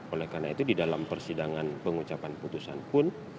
oleh karena itu di dalam persidangan pengucapan putusan pun